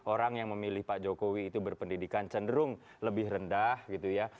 orang yang memilih pak jokowi itu berpendidikan cenderung lebih rendah gitu ya